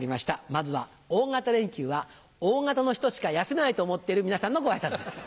まずは大型連休はＯ型の人しか休めないと思っている皆さんのご挨拶です。